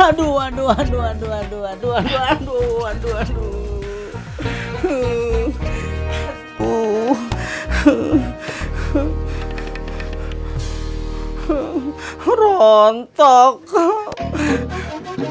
aduh aduh aduh aduh aduh aduh aduh aduh aduh aduh